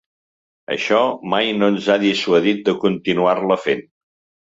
Això mai no ens ha dissuadit de continuar-la fent.